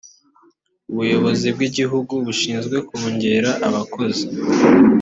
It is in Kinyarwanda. ubuyobozi bw’igihugu bushinzwe kongera abakozi